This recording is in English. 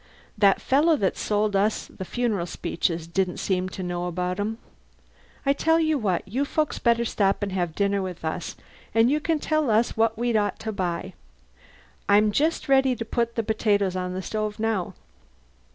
That fellow that sold us the funeral speeches didn't seem to know about 'em. I tell you what, you folks better stop and have dinner with us and you can tell us what we'd ought to buy. I'm just ready to put the potatoes on the stove now."